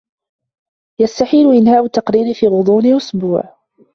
يستحيل إنهاء التقرير في غضون أسبوع.